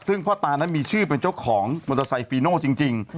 ซึ่งพ่อตานั้นมีชื่อเป็นเจ้าของมอเตอร์ไซค์ฟีโน่จริง